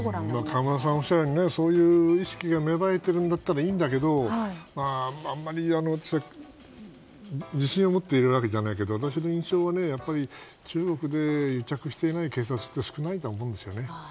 河村さんおっしゃるようにそういった意識が芽生えているんだったらいいんだけどあんまり自信を持って言えるわけじゃないけど私の印象は中国で癒着していない警察って少ないと思うんですよね。